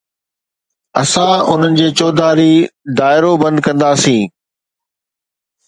اسان انهن جي چوڌاري دائرو بند ڪنداسين.